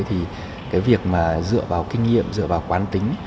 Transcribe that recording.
thì việc dựa vào kinh nghiệm dựa vào quan tính